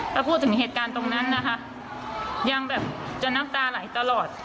ถ้าพูดถึงเหตุการณ์ตรงนั้นนะคะยังแบบจะน้ำตาไหลตลอด